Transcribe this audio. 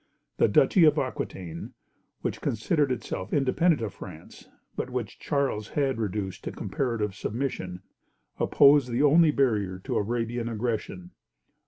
The Duchy of Aquitaine, which considered itself independent of France, but which Charles had reduced to comparative submission, opposed the only barrier to Arabian aggression.